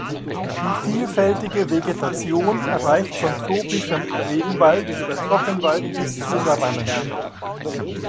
Die vielfältige Vegetation reicht von tropischem Regenwald über Trockenwald bis zu Savannen.